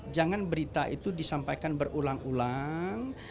jangan berita itu disampaikan berulang ulang